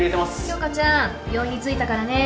鏡花ちゃん病院に着いたからね。